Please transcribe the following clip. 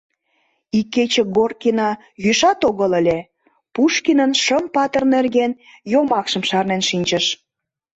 Икече Горкина йӱшат огыл ыле, Пушкинын «Шым патыр нерген...» йомакшым шарнен шинчыш.